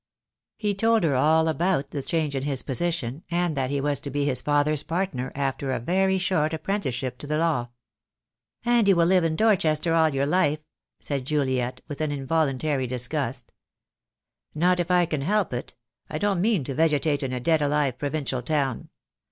He told her all about the change in his position, and that he was to be his father's partner after a very short apprenticeship to the law. "And you will live in Dorchester all your life," said Juliet, with an involuntary disgust. THE DAY WILL COME. 22$ "Not if I can help it. I don't mean to vegetate in a dead alive provincial town.